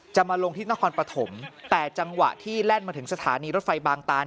จะมาลงที่นครปฐมแต่จังหวะที่แล่นมาถึงสถานีรถไฟบางตาน